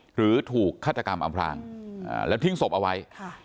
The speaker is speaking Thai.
หรือถูกฆาตกรรมอำพลางแล้วทิ้งศพเอาไว้